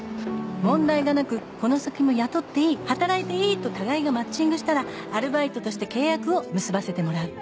問題がなくこの先も雇っていい働いていいと互いがマッチングしたらアルバイトとして契約を結ばせてもらう。